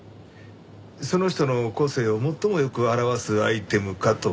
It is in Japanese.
その人の個性を最もよく表すアイテムかと思います。